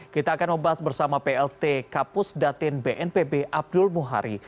kita akan membahas bersama plt kapus datin bnpb abdul muhari